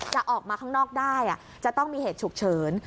จะออกมาข้างนอกได้จะต้องมีเหตุฉุกเฉิน